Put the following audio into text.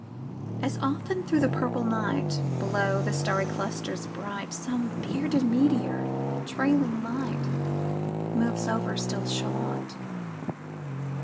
As often thro' the purple night, Below the starry clusters bright, Some bearded meteor, trailing light, Moves over still Shalott.